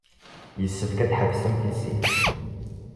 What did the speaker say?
Yessefk ad tḥebsem tissit.